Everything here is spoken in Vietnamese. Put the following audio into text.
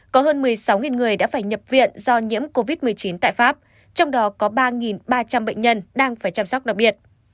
có hơn một mươi sáu người đã phải nhập viện do nhiễm covid một mươi chín tại pháp trong đó có ba ba trăm linh bệnh nhân đang phải chăm sóc đặc biệt